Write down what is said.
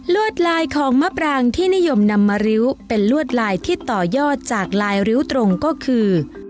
วดลายของมะปรางที่นิยมนำมาริ้วเป็นลวดลายที่ต่อยอดจากลายริ้วตรงก็คือ